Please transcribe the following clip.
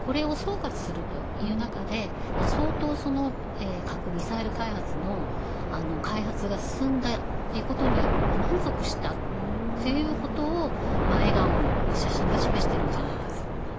これを総括するという中で相当、核・ミサイルの開発が進んだということに満足したということを笑顔の写真が示しているのではないかと。